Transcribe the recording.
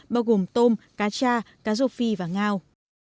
bao gồm tôm cá cha cá rô phi và ngao